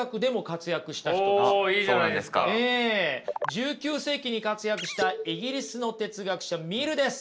１９世紀に活躍したイギリスの哲学者ミルです。